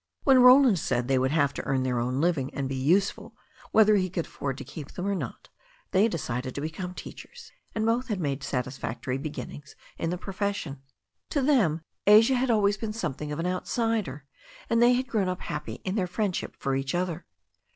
When Roland said they would have to earn their own living and be useful, whether he could afford to keep them or not, they decided to become teachers, and both had made satisfactory beginnings in the profession. To them Asia had always been something of an outsider, and they had grown up happy in their friendship for each other.